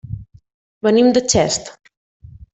Venim de Xest.